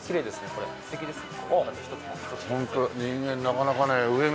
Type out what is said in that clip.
これ素敵ですよね。